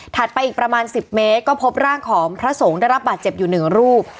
ไปอีกประมาณ๑๐เมตรก็พบร่างของพระสงฆ์ได้รับบาดเจ็บอยู่๑รูป